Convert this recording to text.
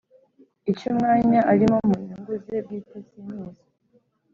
icy umwanya arimo mu nyungu ze bwite sinkizi